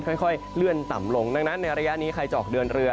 ค่อยเลื่อนต่ำลงดังนั้นในระยะนี้ใครจะออกเดินเรือ